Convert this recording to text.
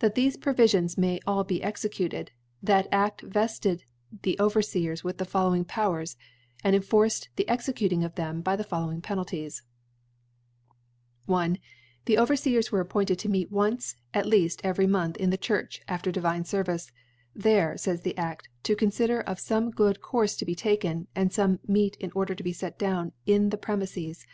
That thefe Provifions may all be execut ed, that Aft vetted the Ovcrfeei*s with the following Powers; and enforced the executing them by' the following Penal ties, I, The Overfeersr are appointed to meet once at leaft every Month m the Church after Divine Service , there, lays the Aft, to confider of feme good Courfe to be taken, and fome meet Order to be fct down in the Premifes.